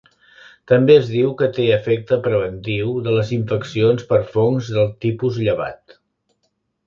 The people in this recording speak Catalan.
També es diu que té efecte preventiu de les infeccions per fongs del tipus llevat.